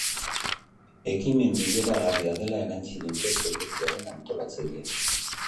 Ekimen bideragarria dela erantsi dute proiektuaren antolatzaileek.